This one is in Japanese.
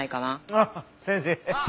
ああ先生！